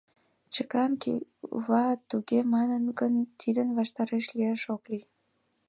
Чыган кува туге манын гын, тидын ваштареш лияш ок лий.